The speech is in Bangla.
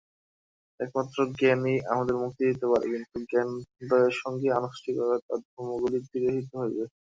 একমাত্র জ্ঞানই আমাদের মুক্তি দিতে পারে, কিন্তু জ্ঞানোদয়ের সঙ্গে আনুষ্ঠানিক ধর্মগুলি তিরোহিত হইবে।